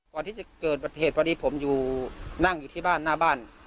ก่อนที่จะเกิดปฏิเหตุพอดีผมอยู่นั่งอยู่ที่บ้านหน้าบ้าน